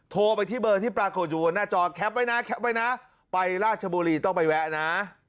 โทรไปที่เบอร์ที่ปรากฏอยู่บนหน้าจอแคปไว้นะแคปไว้นะไปราชบุรีต้องไปแวะนะ